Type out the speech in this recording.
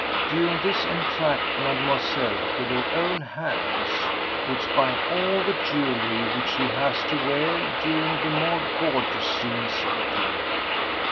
During this entr'acte Mademoiselle with her own hands puts by all the jewellery which she has to wear during the more gorgeous scenes of the play.